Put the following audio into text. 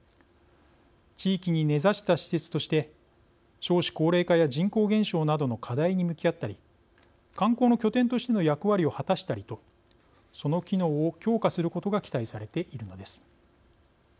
地域に根ざした施設として少子高齢化や人口減少などの課題に向き合ったり観光の拠点としての役割を果たしたりとその機能を強化することが期待されているのです。